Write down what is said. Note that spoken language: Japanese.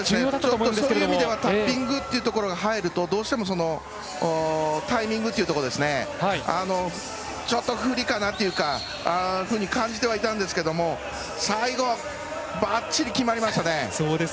そういう意味ではタッピングというのが入るとどうしてもタイミングというところちょっと不利かなっていうふうに感じてはいたんですが最後はばっちり決まりましたね。